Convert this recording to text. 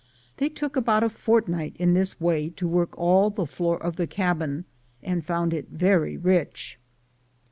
They took about a fortnight in tliis way to work all the floor of the cabin, and found it very rich.